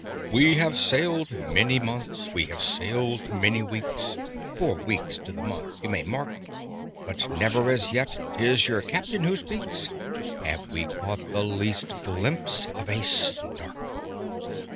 "We have sailed many months, we have sailed many weeks, (Four weeks to the month you may mark), But never as yet ('tis your Captain who speaks) Have we caught the least glimpse of a Snark!